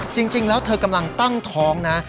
จริงแล้วเธอกำลังตั้งท้องนะ